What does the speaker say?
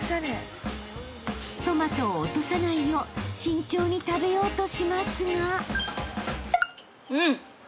［トマトを落とさないよう慎重に食べようとしますが］